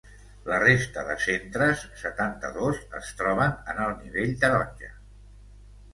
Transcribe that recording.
La resta de centres, setanta-dos, es troben en el nivell taronja.